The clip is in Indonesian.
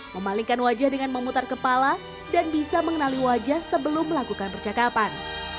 memalikan wajah dengan memutar kepala dan bisa mengenali wajah sebelum melakukan percakapan